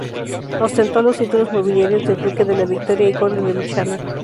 Ostentó los títulos nobiliarios de duque de la Victoria y conde de Luchana.